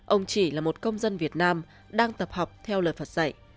ông chỉ là một công dân việt nam đang tập học theo lời phật dạy